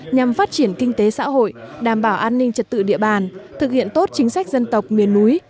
nhằm phát triển kinh tế xã hội đảm bảo an ninh trật tự địa bàn thực hiện tốt chính sách dân tộc miền núi